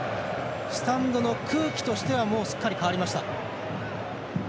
スタンドの空気としてはすっかり変わりました。